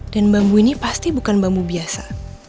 dan bambu ini pasti bukan bambu biasa